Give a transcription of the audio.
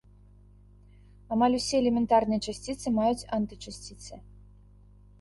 Амаль усе элементарныя часціцы маюць антычасціцы.